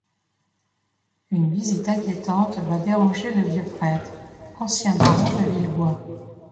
Une visite inquiétante va déranger le vieux prêtre, ancien baron de Vilbois…